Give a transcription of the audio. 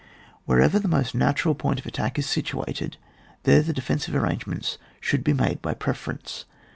Wherever the most natural point of attack is situated, there the defensive arrangements should be made by prefer ence.